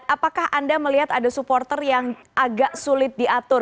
apakah anda melihat ada supporter yang agak sulit diatur